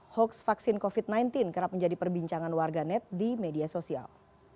hoax vaksin covid sembilan belas kerap menjadi perbincangan warga net di media sosial